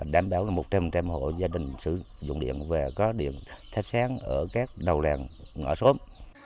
đảm bảo là một trăm linh hộ gia đình sử dụng điện và có điện thép sáng ở các đầu làng ngõ xóm